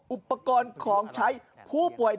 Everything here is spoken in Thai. อุปกรณ์ของใช้ผู้ป่วย